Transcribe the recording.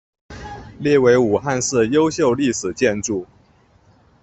列为武汉市优秀历史建筑。